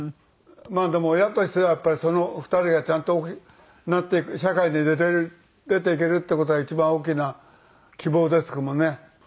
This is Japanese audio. でも親としてはやっぱりその２人がちゃんとなっていく社会に出ていけるっていう事が一番大きな希望ですもんね。